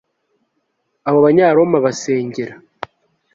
Abo Abanyaroma basengera